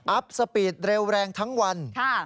สปีดเร็วแรงทั้งวัน